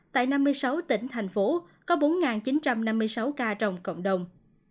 tại năm mươi sáu tỉnh thành phố có bốn chín trăm năm mươi sáu ca trong cộng đồng